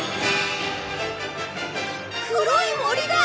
黒い森だ！